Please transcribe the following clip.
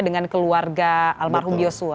dengan keluarga almarhum yosua